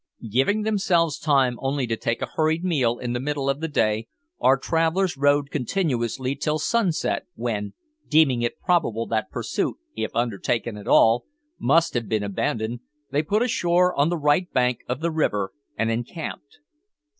Giving themselves time only to take a hurried meal in the middle of the day, our travellers rowed continuously till sunset when, deeming it probable that pursuit, if undertaken at all, must have been abandoned, they put ashore on the right bank of the river and encamped.